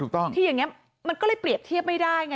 ที่อย่างเนี่ยมันก็เลยเปรียบเทียบไม่ได้ไง